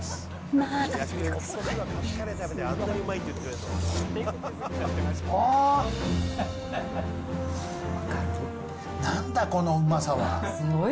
まあ食べてみてください。